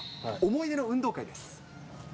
思い出の運動会。